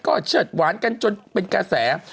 ก็เชิดหวานกันจนเป็นกระแส